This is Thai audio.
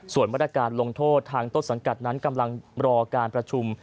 ส่วนมาตรการลงโทษทางต้นสังกัดนั้นกำลังรอการประชุม